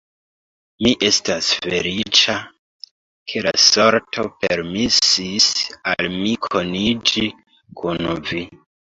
Mi estas feliĉa, ke la sorto permesis al mi koniĝi kun vi.